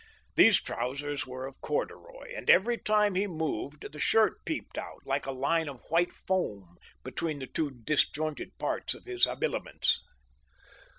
These trousers were of corduroy, and every time he moved the shirt peeped out, like a line of white foam, be tween the two disjointed parts of his habiliments.